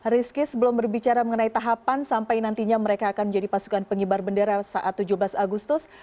rizky sebelum berbicara mengenai tahapan sampai nantinya mereka akan menjadi pasukan pengibar bendera saat tujuh belas agustus